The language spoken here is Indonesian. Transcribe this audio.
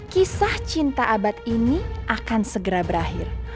kisah cinta abad ini akan segera berakhir